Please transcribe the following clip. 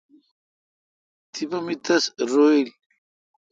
تپہ می تس روییل۔